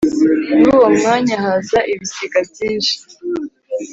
Muri uwo mwanya haza ibisiga byinshi;